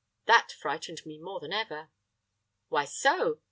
That frightened me more than ever." "Why so?"